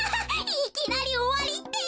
いきなりおわりって！